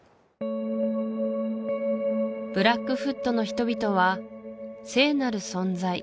ブラックフットの人々は聖なる存在